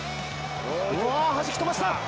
はじき飛ばした。